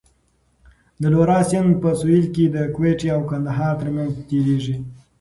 د لورا سیند په سوېل کې د کویټې او کندهار ترمنځ تېرېږي.